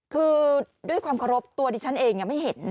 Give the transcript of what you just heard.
คือด้วยความเคารพตัวดิฉันเองไม่เห็น